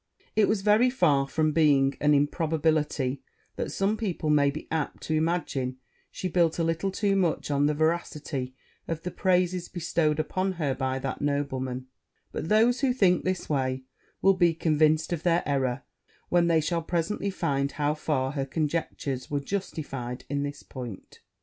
It is very far from being an improbability that some people may be apt to imagine she built a little too much on the veracity of the praises bestowed upon her by that nobleman: but those who think this way, will be convinced of their error when they shall presently find how far her conjectures were justified in this point.